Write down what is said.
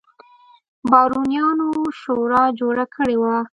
بارونیانو شورا جوړه کړې وه.